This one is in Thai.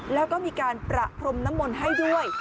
แล้วก็มีการประพรมน้ำมนต์ให้ด้วย